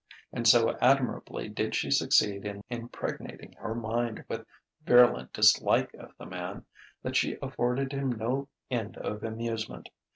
And so admirably did she succeed in impregnating her mind with virulent dislike of the man, that she afforded him no end of amusement.